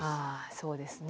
そうですね。